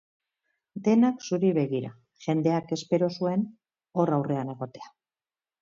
Denak zuri begira, jendeak espero zuen hor aurrean egotea.